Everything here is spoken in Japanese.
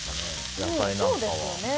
野菜なんかは。